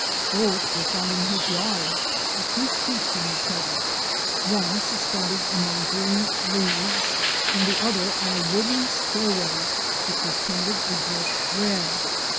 Both were found in his yard, a few feet from each other, one Fic. 67. YounGc ELANIA FLYCATCHERS. suspended among green leaves and the other on a wooden stairway which was painted a brick red.